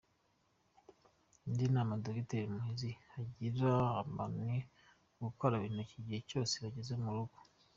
Indi nama Dogiteri Muhizi agira abantu ni ugukaraba intoki igihe cyose bageze mu rugo.